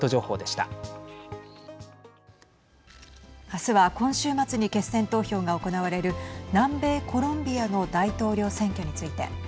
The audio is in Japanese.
あすは今週末に決選投票が行われる南米コロンビアの大統領選挙について。